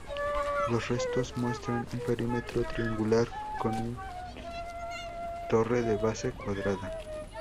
Los restos muestran un perímetro triangular con un torre de base cuadrada.